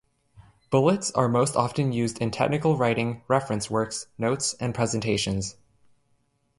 Bullets are most often used in technical writing, reference works, notes, and presentations.